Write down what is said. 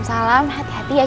ya emang bener